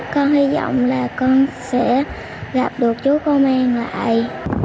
con hy vọng là con sẽ gặp được chú con mang lại